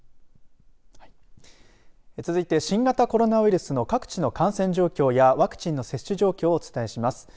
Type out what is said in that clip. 続いて新型コロナウイルスの各地の感染状況やワクチンの接種状況をお伝えします。